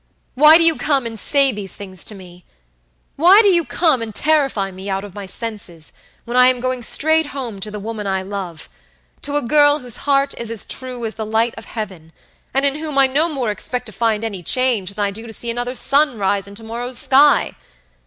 Why do you come and say these things to me? Why do you come and terrify me out of my senses, when I am going straight home to the woman I love; to a girl whose heart is as true as the light of Heaven; and in whom I no more expect to find any change than I do to see another sun rise in to morrow's sky?